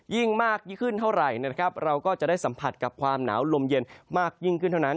มากยิ่งขึ้นเท่าไหร่นะครับเราก็จะได้สัมผัสกับความหนาวลมเย็นมากยิ่งขึ้นเท่านั้น